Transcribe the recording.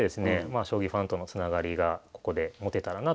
将棋ファンとのつながりがここで持てたらなという思いでした。